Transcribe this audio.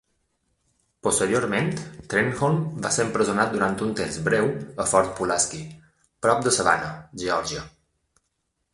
Posteriorment, Trenholm va ser empresonat durant un temps breu a Fort Pulaski, prop de Savannah, Geòrgia.